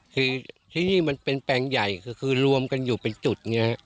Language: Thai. คือที่นี่มันเป็นแปลงใหญ่คือรวมกันอยู่เป็นจุด